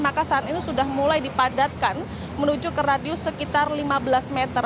maka saat ini sudah mulai dipadatkan menuju ke radius sekitar lima belas meter